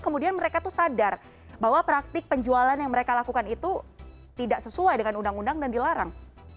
kemudian mereka itu sadar bahwa praktik penjualan yang mereka lakukan itu tidak sesuai dengan undang undang dan dilarang